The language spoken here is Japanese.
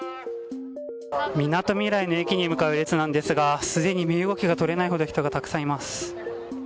みなとみらいの駅に向かう列なんですが、既に身動きがとれないほど、人がたくさんいます。